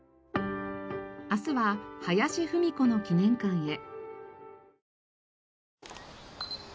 明日は林芙美子の記念館へ。